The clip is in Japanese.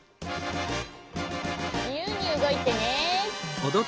じゆうにうごいてね。